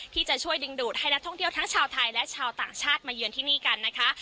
ที่จะช่วยดึงดูดให้นักท่องเที่ยวทั้งชาวไทยและชาวต่างชาติมาเยือนที่นี่กันนะคะ